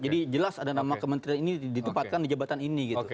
jadi jelas ada nama kementerian ini ditupatkan di jabatan ini